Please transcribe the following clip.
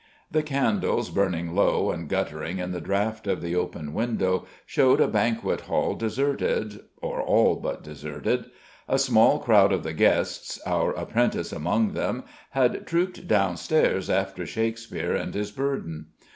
The candles, burning low and guttering in the draught of the open window, showed a banquet hall deserted, or all but deserted. A small crowd of the guests our apprentice among them had trooped downstairs after Shakespeare and his burden.